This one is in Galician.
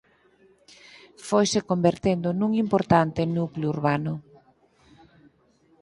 Foise convertendo nun importante núcleo urbano.